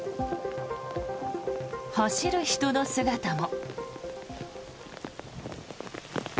走る人の姿も。